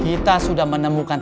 kita sudah menemukan